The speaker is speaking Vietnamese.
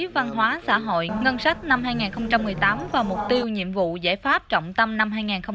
văn hóa xã hội ngân sách năm hai nghìn một mươi tám và mục tiêu nhiệm vụ giải pháp trọng tâm năm hai nghìn một mươi chín